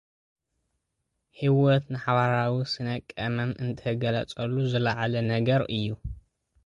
ህይወት፡ ንሓበራዊ ስነ-ቀመም እትገልጸሉ ዝለዓለ ነገር እዩ።